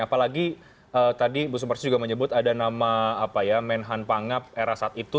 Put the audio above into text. apalagi tadi ibu sumarsi juga menyebut ada nama menhan pangap era saat itu